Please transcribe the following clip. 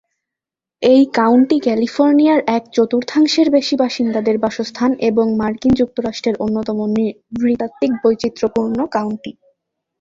এই কাউন্টি ক্যালিফোর্নিয়ার এক-চতুর্থাংশের বেশি বাসিন্দাদের বাসস্থান এবং মার্কিন যুক্তরাষ্ট্রের অন্যতম নৃতাত্ত্বিক বৈচিত্র্যপূর্ণ কাউন্টি।